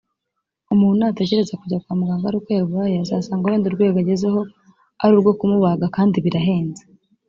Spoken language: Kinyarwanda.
umuntu nategereza kujya kwa muganga ari uko yarwaye azasanga wenda urwego agezeho ari urwo kumubaga kandi birahenze